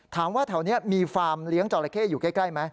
ถามว่าแถวนี้มีฟาร์มเลี้ยงจราเข้อยู่ใกล้ไหม